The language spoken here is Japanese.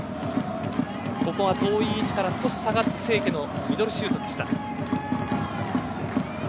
ここは、遠い位置から少し下がった清家のミドルシュートでした。